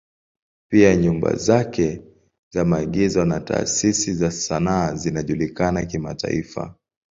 Pia nyumba zake za maigizo na taasisi za sanaa zinajulikana kimataifa.